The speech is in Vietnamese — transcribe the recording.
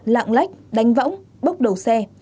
lặng lách đánh võng bốc đầu xe